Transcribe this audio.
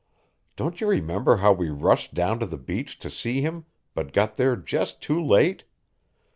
Don't you remember how we rushed down to the beach to see him, but got there just too late?